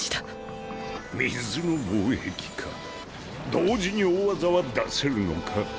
同時に大技は出せるのか？